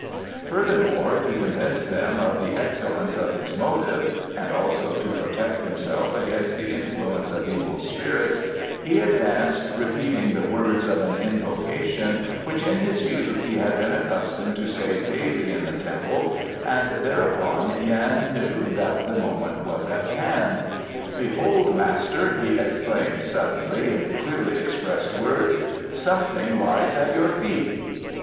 Furthermore, to convince them of the excellence of his motive (and also to protect himself against the influence of evil spirits) he advanced repeating the words of an invocation which in his youth he had been accustomed to say daily in the temple, and thereupon Yan knew that the moment was at hand. "Behold, master!" he exclaimed suddenly, in clearly expressed words, "something lies at your feet."